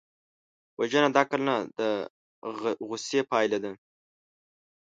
وژنه د عقل نه، د غصې پایله ده